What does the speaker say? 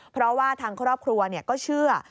เพราะว่าทางครอบครัวก็เชื่อ